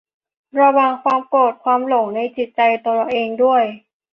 ระวังความโกรธความหลงในจิตใจตัวเองด้วย